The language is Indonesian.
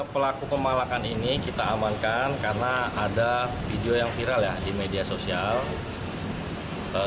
pelaku pemalakan ini kita amankan karena ada video yang viral ya di media sosial